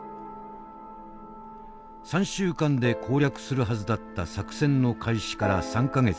３週間で攻略するはずだった作戦の開始から３か月。